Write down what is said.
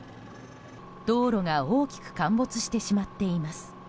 道路が大きく陥没してしまっています。